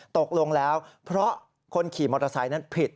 ตกลงแล้วเพราะคนขี่มอเตอร์ไซค์นั้นผิด